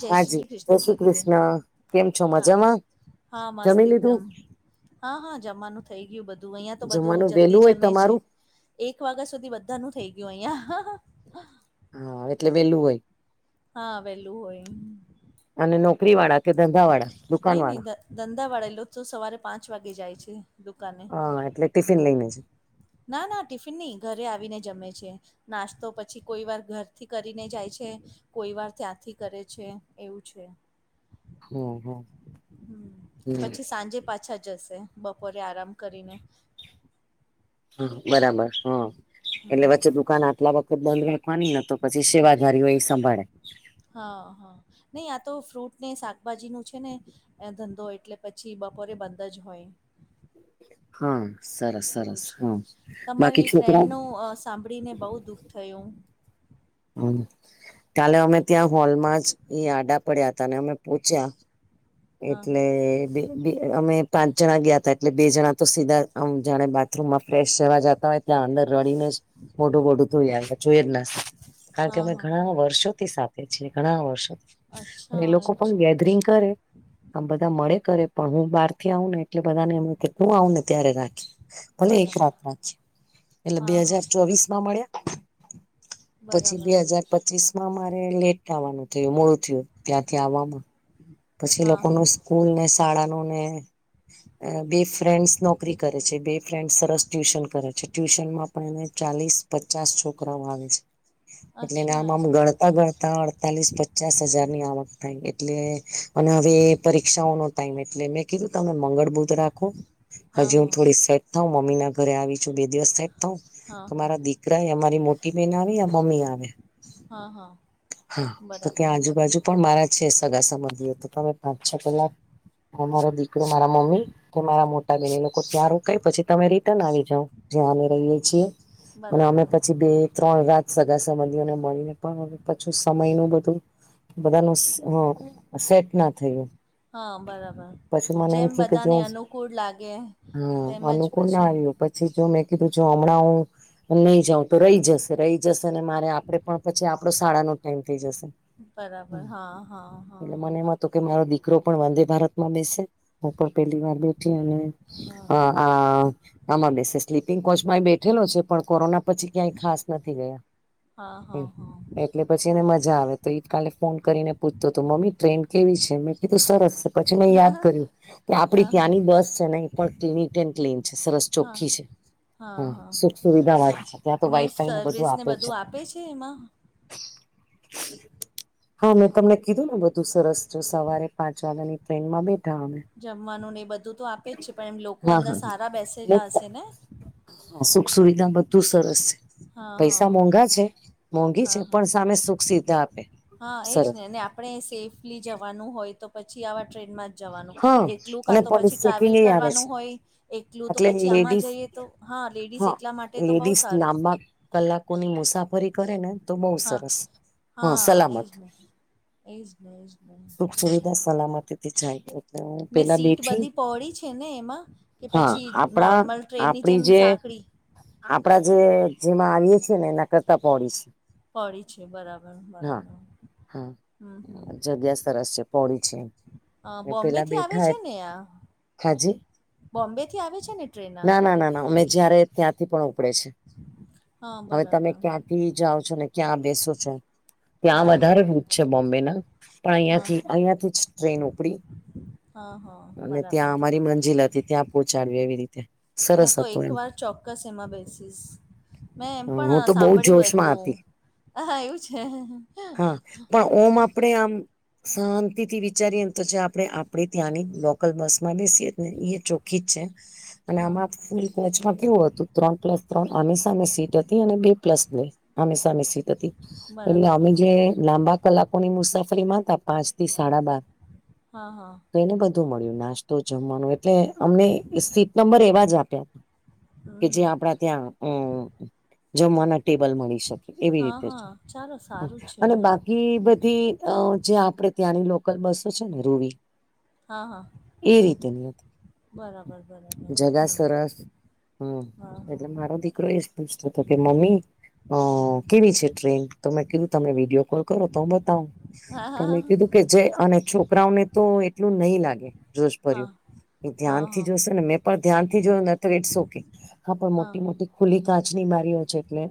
જય હાજી શ્રી જય કૃષ્ણ શ્રી જ્યોતિબેન કૃષ્ણ કેમ છો હા મજામાં હા મસ્ત જમી લીધું એકદમ. હા હા જમવાનું થઇ ગયું બધું અહિયાયા તો બધું જમવાનું જલ્દી વેલું હોય જમે છે. તમારું એક વાગ્યા સુધી બધા નું થઈ ગયું અહિયાં. હા એટલે વેલું હોય. હા વેલું હોય. અને નોકરી વાળા કે ધંધા વાળા દુકાન નહી નહી વાળા ધંધા વાળા એ લો તો સવારે પાંચ વાગે જાય છે દુકાને. હા એટલે ટિફિન લઈને છે ના ના ટિફિન નહી ઘરે આવીને જમે છે. નાસ્તો પછી કોઈ વાર ઘરથી કરીને જાય છે. કોઈ વાર ત્યાંથી કરે છે એવું છે. હમ હમ. હમ હમ પછી સાંજે પાછા જશે બપોરે આરામ કરીને. હા બરાબર હા હમ એટલે વચ્ચે દુકાન આટલા વખત બંધ રે વાની ન તો પછી સેવાધારીઓ એ સંભાળે હા હા નહી આ તો ફ્રૂટ ને શાકભાજી નું છે ને એ ધંધો એટલે પછી બપોરે બંધ જ હોય. હા સરસ એવું સરસ છે હા બાકી તમારી ફ્રેન્ડ છોકરાઓ નું અ સાંભળીને બહુ દુઃખ થયું. હમ કાલે અમે ત્યાં હોલમાં એ આડા પડ્યા હતા અને અમે પોચયા હા, એટલે હા. બે બે અમે પાંચ જણા ગયા તા એટલે બે જણા તો સીધા આમ જાણે બાથરૂમમાં ફ્રેશ જવા જતા હોય ત્યાં અંદર રડીને જ મોટું બોડું ધોઈ જોઇ નશ કારણ કે હા, અમે હા. ઘણા વર્ષોથી સાથે છીએ ઘણા વર્ષો થી અને અચ્છા એ લોકો એવું પણ છે. ગેધરિંગ કરે આમ બધા મળે કરે પણ હું બહાર થી આવુ ને એટલે બધાને એમ કે તું આવને ત્યારે રાખી, ભલે એક બરાબર. રાત રાખી. એટલે બે હા, હા. હાજાર ચોવીસમાં મળ્યા, પછી બરાબર. બે હાજાર પચીસમાં મારે લેટ આવવાનું થયું. મોડું થયું, ત્યાંથી આવવામાં. હ. [unintelligible] પછી લોકોનું સ્કૂલને, શાળાનું નુ ને, એ બે ફ્રેન્ડસ નોકરી કરે છે. બે ફ્રેન્ડ સરસ ટ્યુશન કરે છે. ટ્યુશનમાં પણ એને ચાલીસ, પચાસ છોકરાઓ આવે છે. એટલે આમ અચ્છા. આમ ગણતા ગણતા અડતાલીસ, પચાસ હજારની આવક થાય. એટલે અને હવે પરીક્ષાઓનો ટાઈમ. એટલે મેં કીધું તમે મંગળ, બુધ રાખો. હા, હજી હું હા. થોડી સેટ થઉં, મમ્મીના ઘરે આવી છું. બે દિવસ સેટ થઉ, હા, તો હા. મારા દીક ના અમારી મોટી બેન આવી, મમ્મી આવે. હા, હા. હા, તો બરાબર. ત્યાં આજુબાજુ પણ મારા છે, સગા સંબંધીયો તો પણ પાંચ, છ કલાક મારો દીકરો, મારા મમ્મી કે મારા મોટા બે લોકો ત્યાં રોકાય, પછી તમે રિટર્ન આવી. જ્યાં જ્યાં અમે રહીએ છીએ અને અમે બરાબર. પછી બે ત્રણ રાત સગા સંબંધીઓને મળીને પણ હું, પાછું સમયનું બધું- બધાનું હ સેટના થયું. હા, બરાબર. પછી મને એમ જેમ થયું કે જો બધાને અનુકૂળ લાગે હા તેમજ અનુકૂળ ના પછી આવ્યું પછી જો મેં કીધું જો હમણાં હું નહી જઉં. તો રહી જશે રહી, જશે અને મારે આપે પણ પછી આપડો શાળાનો ટાઈમ થઈ જશે. બરાબર. હા હા હા. તો કે મારો દીકરો પણ વંદે ભારતમાં બેસે. હું, પણ પહેલી વાર બેઠી અને હા. આમાં બેસે સ્લીપિંગ કોચમાં બેઠેલો છે, પણ કોરોના પછી ક્યાંય ખાસ નથી ગયા. હા હા હમ હા. એટલે પછી એને મજા આવે તો ઈ કાલે ફોન કરીને પૂછતો હતો, મમ્મી ટ્રેન કેવી છે? મેં કીધું સરસ છે. પછી મેં યાદ કર્યું, કે હા આપડી હા ત્યાંની બસ છે નહી. નિટ એન્ડ ક્લીન છે, સરસ હા ચોખ્ખી છે. હા, સુખ સુવિધા હોય છે. ત્યાં તો ને વાઈફાઈને બધું સર્વિસને આપે છે. છે એમાં હા, મેં તમને કીધું ને બધું સરસ જો સવારે પાંચ વાગ્યાની ટ્રેનમાં બઇ જમવાનું ને એ બધું તો આપે જ છે, પણ એમ લોકો હા અંદર હા સારા બેસેલા હશે ને. સુખ સુવિધા બધું સરસ છે. હા હા પૈસા મોંઘા છે. મોંઘી હા છે, હા પણ સામે સુખ સુવિધા આપે. હા, એ જ સરસ ને અને આપણે સેફલી જવાનું હોય, તો પછી આવા ટ્રેનમાં જવાનું, હા એકલું કા અને તો પોલીસ પછી ચેકિંગ ટ્રાવેલ એ આવે કરવાનું છે હોય. એકલું તો એટલે પછી આમાં લેડીઝ જઈએ તો હા, લેડીસ એટલા માટે તો બઉ લેડીઝ સારું. લાંબા કલાકોની મુસાફરી કરે ને તો બહુ હા સરસ. હા, સલામત. એજ- ન એજને સુખ સુવિધા સલામતીથી જાય. એટલે હું ને પેલા સીટ બેઠી બધી પહોળી છે ને એમાં? કે હા પછી આપણા નોર્મલ ટ્રેનની આપડી જેમ જે સાંકળી આપડા જે જેમાં આવીએ છીએ ને એના કરતા પહોળી છે. પડી છે, બરાબર હા બરાબર. હમ હમ. યેસ સરસ છે, પહોળી છે. અ પેલા બોમ્બેથી આવે બેઠા છે ને આ? હાજી બોમ્બેથી આવે છે ને ટ્રેન ના ના ના ના અમે જયારે ત્યાંથી પણ ઉપડે છે. હા હવે, તમે બરાબર ક્યાં થી જાઓ છો ને ક્યાં બેસો છો? ત્યાં હા વધારે બરાબર ભૂજ છે બોમ્બેના. હા થી હા અહીથી જ ટ્રેન હા હા ઉપડી બરાબર ત્યાં મંજિલ હતી ત્યા પહંચાડ્યું એવી રીતે. હું સરસ તો એક હતું એમ વાર ચોક્કસ એમાં બેસીશ મેં એમ હું તો પણ બહુ સાંભળ્યું જોશમાં હતું હતી હ હા એવું છે હ હા પણ ઓમ આપણેે આમ શાંતિ થી વિચારીએ તો જે આપણે આપડી ત્યાંની લોકલ બસ માં બેસીએ ને એ ચોખ્ખી જ છે અને હા આમાં હા ફૂલ મેચમાં કેવું હતું ત્રણ પ્લસ ત્રણ આમે સામે સીટ હતી અને બે પ્લસ બે આમે સામે સીટ એટલે બરાબર અમે જે લાંબા કલાકોની મુસાફરી માં હતા પાંચ થી સાડા બાર હા હા. તો એને બધું મળ્યું નાસ્તો જમવાનો એટલે અમને સીટ નંબર એવા જ આપ્યા. હમ કે જે હમ. આપડા ત્યાં અમ જમવાના ટેબલ મળી શકે એવી હા રીતે. છે હા ચાલો હા, સારું છે. અને બધી અ જે આપણેે ત્યાંની લોકલ બસો છે ને રૂવી હા હા એ રીતેની હતી બરાબર બરાબર જગા હમ સરસ હમ હા હા એટલે મારો દીકરો બરાબર એ પછતો હતો કે મમ્મી અ હમ કેવી છે ટ્રેન તો મેં કીધું તમમે વિડીયો કોલ કરો તો હ બ હા હા તમે કીધું કે જે અને છોકરાઓને તો એટલું નહી લાગે જોશ હા ભર્યું એ હા હા ધ્યાનથી હા જોશે ને મેં પણ ધ્યાનથી જોય તો ઇટસ ઓકે હા પણ મોટી હમ મોટી ખુલી કાચની બારીઓ છે એટલે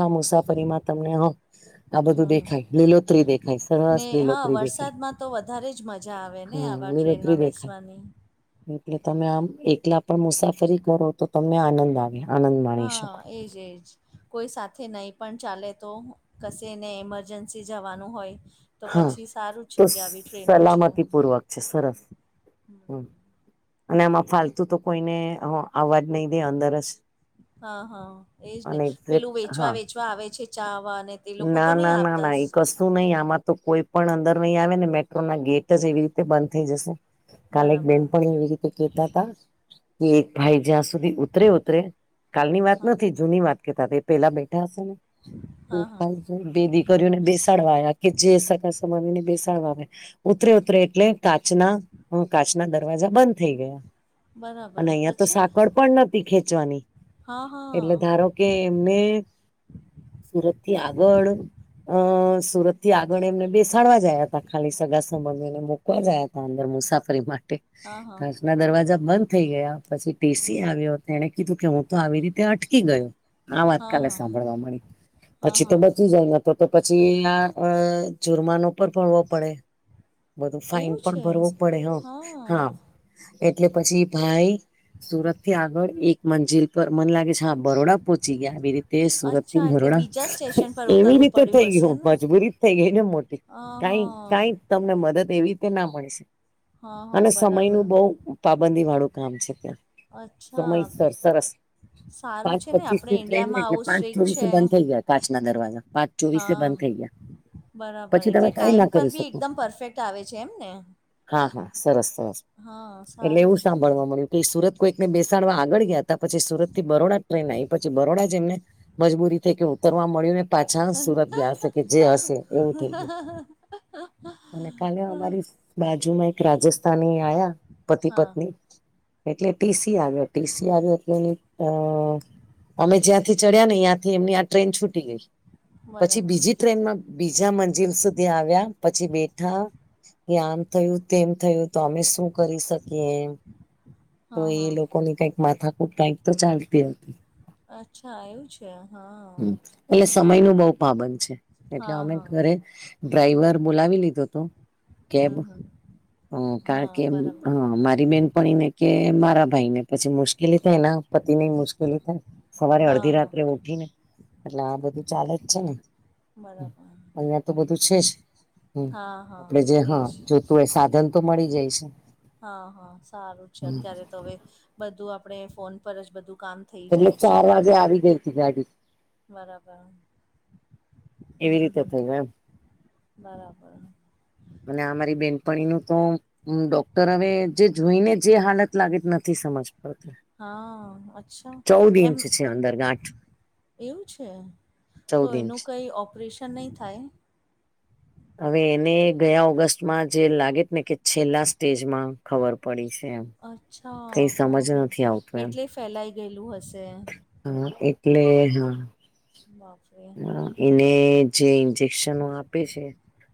હા મુસાફરીમાં તમને આ બધું હમ દેખાય લીલોત્રી દેખાય. સરસ ને હા લીલોતરી દેખાય વરસાદમાં તો વધારે જ મજા આવે ને હા આવા લીલોતરી ટ્રેનમાં દેખાય બેસવાની. એટલે તમે આમ એકલા પણ મુસાફરી કરો તો તમને આનંદ આવે આનંદ માણી હા શકો. એજ એજ. કોઈ સાથે નહી પણ ચાલે તો કશે એને મરજન્સી જવાનું હોય તો હા પછી સારું છે તો કે આવી ટ્રેનો છે. સલામતી પૂર્વક સરસ હમ અને આમાં ફાલતુ તો કોઈને અવાજ નહી દે અંદર જ હા હા એજ ને અને પેલું હા વેચવા વેચવા આવે છે ચાવા અને તે લોકો તો નહી આવતા નહીિ આમાં તો કોઈ પણ અંદર નહી આવે ને મેટ્રો ના ગેટ જ એવી રીતે બંધ થઈ જશે. કાલે એક બરાબર બેન પણ એવી રીતે કેતા હતા કે એક ભાઈ જ્યાં સુધી ઉતરે ઉતરે કાલની વાત હા નથી જૂની વાત કેતા પેલા બેઠા હશે ને. હા હા [unintelligible] ભેદી કર્યુંને બેસાડવા આવ કે જે સકા સમાવીને બેસાડવા આવ્યા ઉતરે ઉતરે એટલે કાચના કાચના દરવાજા બંધ થઈ ગયા. બરાબર અને અહિયાં તો પછી સાકળ પણ નતી ખેંચવાની હા હા એટલે ધારો કે મે સુરત થી આગળ અ સુરત થી આગળ એમને બેસાડવા જ આયા હતા ખાલી સગા સંબંધીને મુકવા જ આયા હતા અંદર મુસાફરી માટે. હા હા ના દરવાજા બંધ થઈ ગયા પછી ટીસી આવ્યો એને કીધું કે હું તો આવી રીતે અટકી ગયો આ વાત હા કાલે હા સાંભળવા મળી. હા પછી તો હા બચી જાય નતર તો તો પછી આ જુર્માનો પર પણ ભરવો પડે. બધું ફાઈન એવું પણ છે ભરવો પડે હ હા એટલે પછી ભાઈ સુરત થી આગળ એક મંજિલ પર મને લાગે છે હા બરોડા પહોંચી ગયા આવી રીતે. તે સુરતથી અચ્છા એટલે ભોરડા બીજા સ્ટેશન પર એવી ઉતરવું રીતે થઈ પડ્યું હશે ગયું ને મજબૂરી જ થઈ ગઈ ને મોટી હા કઈ હા કઈ તમને મદદ એવી રીતે ના મળશે હા હા અને સમય બરાબર નું બહ પાબંદી વાળું કામ છે ત્યાં અચ્છા સમયસર સરસ સારું પાંચ છે ને પચીસ આપણે ટ્રેન ને ઈન્ડિયામાં એટલે આવું પાંચ સ્ટ્રીક છે ચોવીસથી બંધ થઈ જયા હતા. પાંચ ના દરવાજા પાંચ ચોવીસે હા બંધ થઈ ગયા. બરાબર પછી એટલે તમે કઈ ટાઈમ ના પર કરી બી શકો એકદમ પરફેક્ટ આવે છે એમ ને. હા હા સરસ સરસ હા એટલે સારું એવું છે સાંભળવા મળ્યું. કઈ સુરત કોઈને બેસાડવા આગળ ગયા પછી સુરત થી બરોડા ટ્રેન આવી પછી બરોડા જે એમને મજબૂરી થઈ કે તરવા મળ્યું ને પાછા સુરત ગયા હશે કે જે હશે એવું થઈ ગયું. અને કાલે અમારી બાજુમાં એક રાજસ્થાની આવયા પતિ હા પત્ની એટલે ટીસી આવ્યો ટીસી આવ્યો એટલે એની અ અમે જ્યાંથી ચડ્યા ને ત્યાંથી એમની આ ટ્રેન છૂટી ગઈ પછી બરાબર બીજી ટ્રેનમાં બીજા મંજિલ સુધી આવ્યા પછી બેઠા કે આમ થયું તેમ થયું તો અમે શું કરી શકીએ એમ. તો હા એ હા લોકોની કઈક માથાકૂટ કઈક તો ચાલતી હતી. અચ્છા. હા એવું છે હા. હ એટલે સમય નું બહ પાબન છે એટલે હા અમે હા ઘરે ડ્રાઈવર બોલાવી લીધો હતો. કેબ હમ હમ કારણ હા કે હ બરાબર મારી બેનપણીને કે મારા ભાઈને પછી મુશ્કેલી થાય એના પતિ ની મુશ્કેલી થાય સવારે હા અડધી હા રાત્રે ઉઠી ને એટલે આ બધું ચાલે જ છે ને. બરાબર અહં તો બધું છે જ હા હા આપડે જે હા. એજ તો એ સાધન તો મળી જાય છે હા હા સારું છે અત્યારે તો હવે બધું આપડ ફોન પર જ બધું કામ થઈ એટલે જાય છે ચાર વાગે આવી ગઈ હતી ગાડી બરાબર હમ એવી રીતે હમ થયું એમ બરાબર અને અમારી બેનપણી નું તો ડોક્ટર હવે જે જોઈને જે હાલત લાગે નથી સમજ પડતી હા અચ્છા ચૌદ એમ ઇંચ છે અંદર ગાંઠ એવું છે તો ચૌદ ઇંચ એનું કઈ ઓપરેશન નહી થાય હવે એને ગયા ઓગસ્ટમાં જે લાગે ને કે છેલ્લા સ્ટેજમાં ખબર પડી છે એમ અચ્છા કઈ હા સમજ હા નથી આવતું એમ એટલે ફેલાય ગયેલું હશે હા એટલે હા ના [inaudible] હ એને જે ઇન્જેક્શનો આપે છે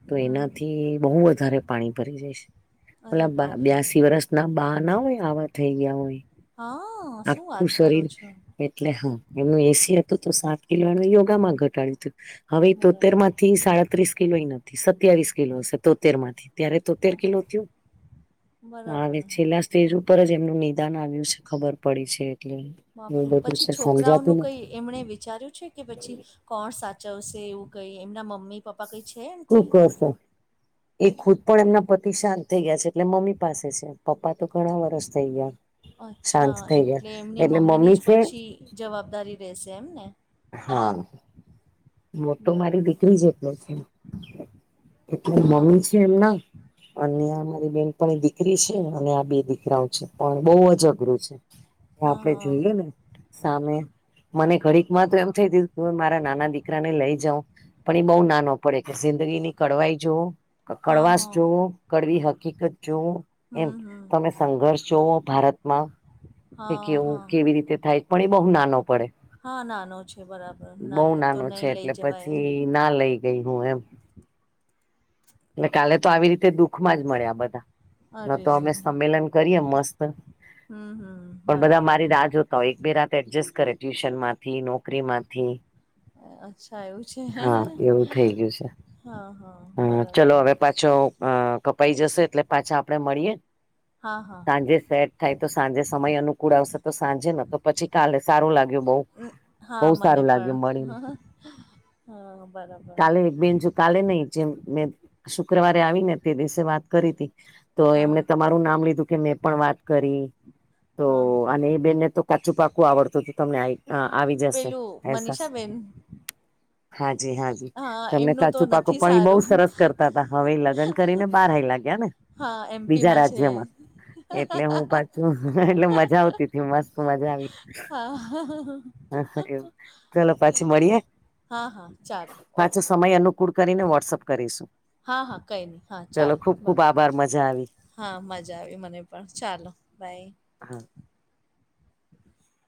તો, હમ એનાથી બહુ વધારે પાણી ભરી જાય છે. અરે પેલા બાપરે બ્યાસી વર્ષ ના બા ના હોય આવા થઈ ગયા હોય હા શું આખું વાત કરો શરીર છો? એટલે હા એમનું એસી હતું તો સાત કિલો યોગામાં ઘટાડ્યું હતું, હવે બરાબર તોતર માં થી સાડત્રીસ કિલો નથી સત્યાવીસ કિલો હશે તો તેર માંથી. ત્યારે તો તેર હા કિલો થયું, બરાબર હ છેલ્લા ફેઝ ઉપર જ એમનું નિદાન આવ્યું છે ખબર પડી છે એટલે એવું માપરે બધું પછી છે છોકરાઓ સમજાતું નું નથી કઈ એમણે વિચાર્યું છે કે પછી કોણ સાચવશે એવું કઈ એમના મમ્મી પાપા કઈ છે? શું કોઈ કો શો એ ખુદ પણ એમના પતિ શાંત થઈ ગયા છે એટલે મમ્મી પાસે છે, પપ્પા તો ઘણા વરસ થઈ ગયા. શાંત અચ્છા થઈ ગયા, એટલે એમની એટલે મમ્મીની મમ્મી જ છે પછી જવાબદારી રહેશે એમ ને? હા, મોટો મારી બરાબર દીકરી જેટલો છે. એટલે હા મમ્મી છે એમના અને અમારી બેન પણ એ દીકરી છે અને આ બે દીકરાઓ છે પણ બઉ જ અઘરું છે. [unintelligible] હા આપડે હા જોઈએ ને સામે મને ઘડીક માં તો એમ થઈયું મારા નાના દીકરા દીકરાને લઈ જાવ. પણ એ બહુ નાનો પડે કે જિંદગી ની કડવાઈ જોવ હા કડવાસ હા જોવો. કડવી હકીકત જોવો. એમ હમ હમ તમે સંઘર્ષ જોવો ભારતમાં કે હા કેવું હા કેવી રીતે થાય. પણ એ બહુ નાનો પડે. હા નાનો છે બરાબર. ના બહુ એતો નાનો છે નઈ એટલે લઈ જવાય. પછી ના લઈ ગઈ હું એમ. અને કાલે તો આવી રીતે દુઃખ માં જ મળ્યા બધા. ન અરે તો અમે સંમેલન કરીએ મસ્ત, હમ હમ પણ બધા બરાબર. મારી રાહ જોતા હોય. એક બે રાત એડજસ્ટ કરે ટ્યુશનમાં-' થી, નોકરીમાંથી અચ્છા એવું છે હા એવું થઈ ગયું છે. હા હા. હમ ચલો બરાબર હવે પાછો કપાઈ જશે એટલે પાછા આપડે મળીએે. હા હા સાંજે સેઠ-' થાય તો સાંજે સમય અનુકૂળ આવશે તો સાંજે, ને તો પછી કાલે સારું લાગ્યું બઉ. બહુ હા મને સારું પણ લાગ્યું મળીને હા બરાબર. [unintelligible] એક બેન જો કાલે નહી જેમ, મેં શુક્રવારે આવી ને તે દિવસે વાત કરી હતી. તો એમને હા તમારું નામ લીધું, કે મેં પણ વાત કરી હા તો અને એ બેનને તો કાચું પાકું આવડતું હતું. તમને [unintelligible] હા આવી જ પેલું મનીષાબેન હા જી હા જી તમને એમનું તો કાચું પાકું નથી પણ એ બહુ સારું સરસ કરતા હતા. હવે લગ્ન કરીને બહાર હાયલા ગયા ને. હા બીજા એમપીમાં છે રાજ્યમાં એટલે હું પાછું એટલે મજા આવતી મસ્ત મજા આવી. હા એવુ ચલો પછી મળીએે. હા હા ચાલો. પાછો ઓકે સમય અનુકૂળ કરીને વોટ્સઅપ કરીશું. હા હા કઈ નહી હા ચલો ચાલો ખુબ ખુબ બાય. આભાર મજા આવી હા મજા આવી મને પણ. ચાલો બાય. હા. [unintelligible]